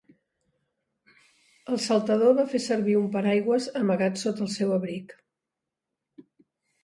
El saltador va fer servir un paracaigudes amagat sota el seu abric.